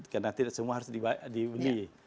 karena tidak semua harus dibeli